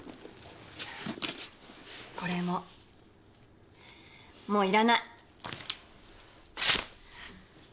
これももういらない。